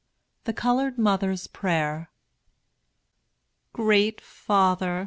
THE COLORED MOTHER'S PRAYER. Great Father!